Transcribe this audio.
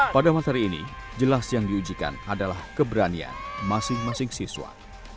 pada materi ini jelas yang diujikan adalah keberanian masing masing siswa